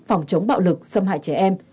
phòng chống bạo lực xâm hại trẻ em